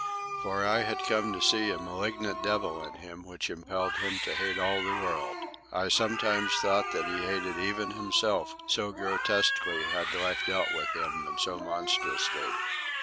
For I had come to see a malignant devil in him which impelled him to hate all the world. I sometimes thought that he hated even himself, so grotesquely had life dealt with him, and so monstrously.